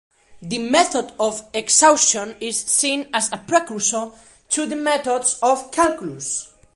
The method of exhaustion is seen as a precursor to the methods of calculus.